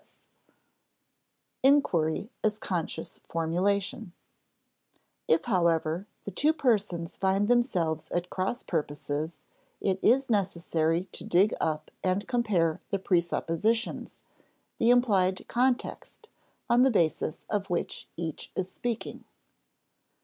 [Sidenote: Inquiry as conscious formulation] If, however, the two persons find themselves at cross purposes, it is necessary to dig up and compare the presuppositions, the implied context, on the basis of which each is speaking.